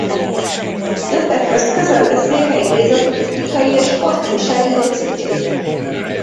Többek közt közölte Székely Géza turisztikai és sportújságíró cikkeit.